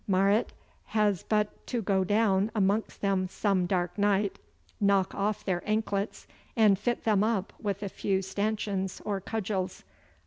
Marot has but to go down amongst them some dark night, knock off their anklets, and fit them up with a few stanchions or cudgels.